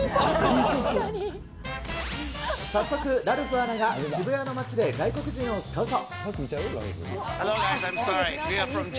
早速、ラルフアナが渋谷の街で外国人をスカウト。